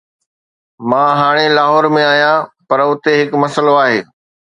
مان هاڻي لاهور ۾ آهيان، پر اتي هڪ مسئلو آهي.